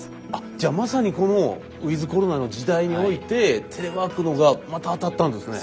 じゃあまさにこのウィズコロナの時代においてテレワークのがまた当たったんですね。